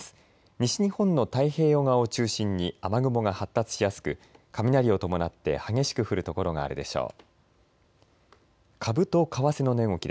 西日本の太平洋側を中心に雨雲が発達しやすく雷を伴って激しく降る所があるでしょう。